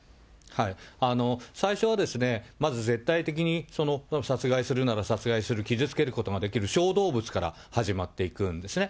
最初はですね、まず絶対的に殺害するなら殺害する、傷つけることができる小動物から始まっていくんですね。